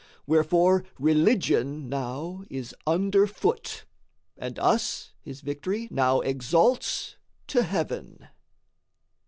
Wherefore Religion now is under foot, And us his victory now exalts to heaven.